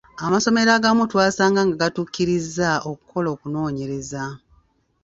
Amasomero agamu twesanga nga gatukkirizza okukola okunoonyereza.